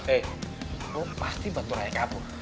eh lo pasti bantu raya kabur